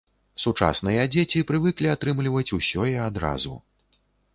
Сучасныя дзеці прывыклі атрымліваць усё і адразу.